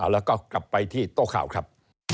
แล้วก็กลับไปที่โต๊ะข่าวครับ